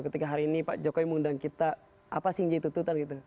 ketika hari ini pak jokowi mengundang kita apa sih yang jadi tuntutan gitu